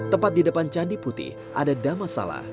tempat di depan candi putih ada dhammasala